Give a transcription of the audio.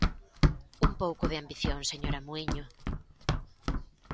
Un pouco de ambición, señora Muíño.